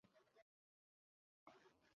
সাজ্জাদ তোমার কাছে ক্ষমা চাইতে এসেছে।